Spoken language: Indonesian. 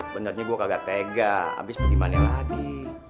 benernya gue kagak tega abis pergi mana lagi